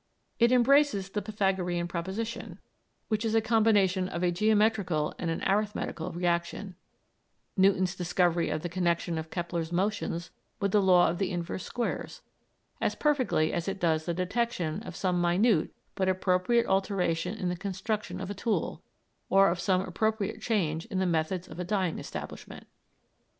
It embraces the Pythagorean proposition, which is a combination of a geometrical and an arithmetical reaction, Newton's discovery of the connexion of Kepler's motions with the law of the inverse squares, as perfectly as it does the detection of some minute but appropriate alteration in the construction of a tool, or of some appropriate change in the methods of a dyeing establishment.